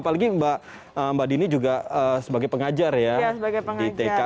apalagi mbak dini juga sebagai pengajar ya di tk